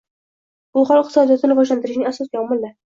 Bu holat iqtisodiyotni rivojlantirishning asosiy omili.